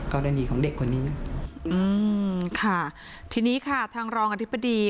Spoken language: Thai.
กรณีของเด็กคนนี้อืมค่ะทีนี้ค่ะทางรองอธิบดี